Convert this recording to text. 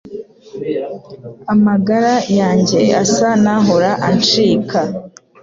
Amagara yanjye asa nahora ancika